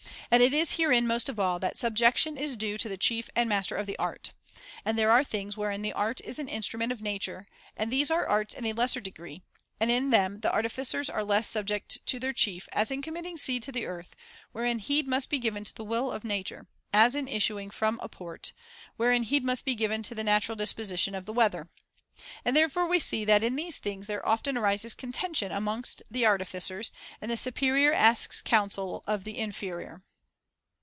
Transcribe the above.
And it limits is herein, most of all, that subjection is due to the chief and master of the art. And there are things wherein the art is an instrument of nature, and these are arts in a lesser degree ; and in them the artificers are less subject to their chief, as in committing seed to the earth, wherein heed must be given to the will of nature ; as in issuing from a port, wherein heed must be given to the natural disposition of the weather. And therefore we see that in these things there often arises contention amongst the artificers, and the superior asks counsel of the inferior.